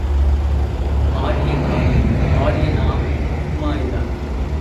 ஆடிய காலும் பாடிய நாவும் சும்மா இரா.